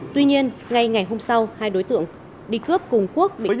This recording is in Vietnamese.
tuy nhiên ngay ngày hôm sau hai đối tượng đi cướp cùng quốc bị cướp tài sản